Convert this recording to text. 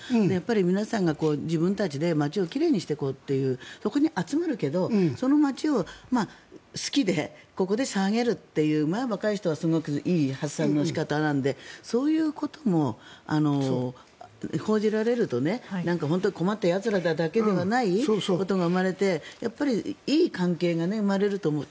皆さんが自分たちで街を奇麗にしていこうというそこに集まるけどその街が好きでここで騒げるというのは若い人はすごくいい発散の仕方なのでそういうことも報じられると本当に困ったやつらだということだけではないことが生まれてやっぱりいい関係が生まれると思う。